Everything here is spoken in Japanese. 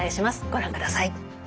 ご覧ください。